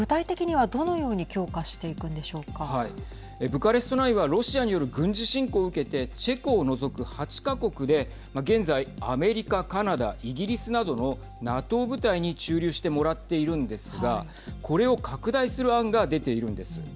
ブカレスト９はロシアによる軍事侵攻を受けてチェコを除く８か国で現在アメリカ、カナダイギリスなどのＮＡＴＯ部隊に駐留してもらっているんですがこれを拡大する案が出ているんです。